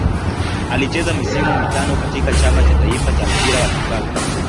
Alicheza misimu mitano katika Chama cha taifa cha mpira wa kikapu.